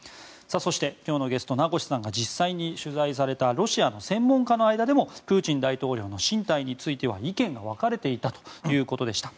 そして今日のゲスト、名越さんが実際に取材されたロシアの専門家の間でもプーチン大統領の進退については意見が分かれていたということでした。